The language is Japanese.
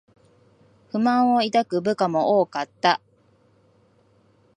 不満を抱く部下も多かった